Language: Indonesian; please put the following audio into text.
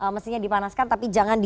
mesinnya dipanaskan tapi jangan dipanaskan